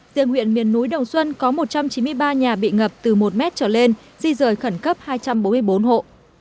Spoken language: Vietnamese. riêng huyện miền núi đồng xuân có một trăm chín mươi ba nhà bị ngập từ một mét trở lên di rời khẩn cấp hai trăm bốn mươi bốn hộ